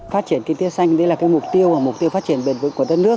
phát triển kinh tế xanh đây là mục tiêu phát triển bền vững của đất nước